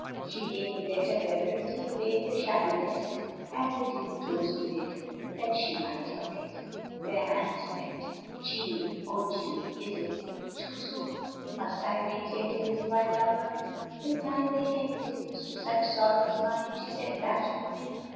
She laid the letter reverently away in the shabby desk; and the Duke closed the lid that she might lock it. Their hands met. "Jeanne, oh, Jeanne, is it — ^toosoon? Must I wait yet a little while longer?" " Will time make any diflFerence to such sorrow as mine?" she said passionately.